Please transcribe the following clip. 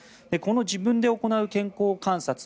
この自分で行う健康観察